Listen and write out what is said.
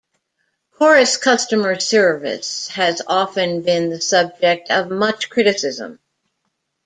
Chorus' customer service has often been the subject of much criticism.